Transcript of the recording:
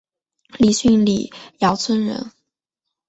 李迅李姚村人。